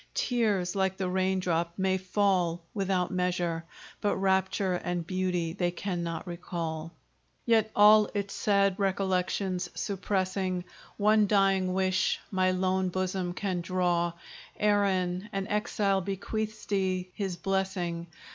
Tears, like the raindrop, may fall without measure, But rapture and beauty they cannot recall. Yet all its sad recollections suppressing, One dying wish my lone bosom can draw: Erin! an exile bequeaths thee his blessing!